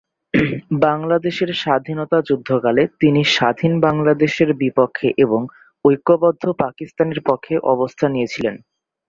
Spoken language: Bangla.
বাংলাদেশের স্বাধীনতা যুদ্ধ কালে তিনি স্বাধীন বাংলাদেশের বিপক্ষে এবং ঐক্যবদ্ধ পাকিস্তানের পক্ষে অবস্থান নিয়েছিলেন।